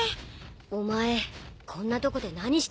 お前こんなとこで何してたんだ？